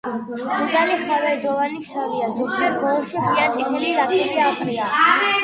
დედალი ხავერდოვანი შავია, ზოგჯერ ბოლოში ღია წითელი ლაქები აყრია.